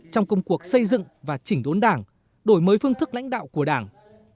trong công cuộc xây dựng và chỉnh đốn đảng đổi mới phương thức lãnh đạo của đảng